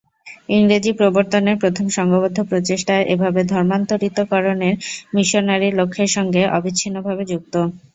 ইংরেজি প্রবর্তনের প্রথম সংঘবদ্ধ প্রচেষ্টা এভাবে ধর্মান্তরিতকরণের মিশনারি লক্ষ্যের সঙ্গে অবিচ্ছিন্নভাবে যুক্ত।